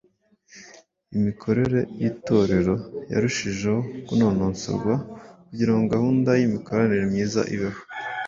imikorere y’Itorero yarushijeho kunonosorwa kugira ngo gahunda n’imikoranire myiza ibeho.